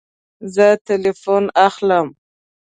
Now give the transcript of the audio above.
زه تلیفون اخلم